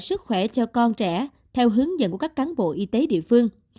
sức khỏe cho con trẻ theo hướng dẫn của các cán bộ y tế địa phương